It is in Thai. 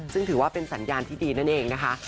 ซึ่งถือว่าเป็นสัญญาณที่ดีนั่นเองนะคะ